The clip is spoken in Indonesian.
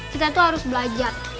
kita tuh harus belajar